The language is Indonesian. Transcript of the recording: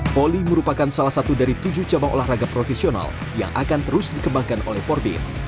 volley merupakan salah satu dari tujuh cabang olahraga profesional yang akan terus dikembangkan oleh porbin